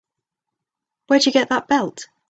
Where'd you get that belt?